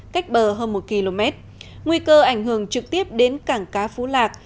cách bờ hơn một km nguy cơ ảnh hưởng trực tiếp đến cảng cá phú lạc